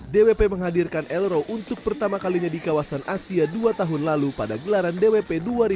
dwp menghadirkan elro untuk pertama kalinya di kawasan asia dua tahun lalu pada gelaran dwp dua ribu dua puluh